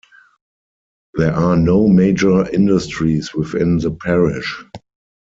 There are no major industries within the parish.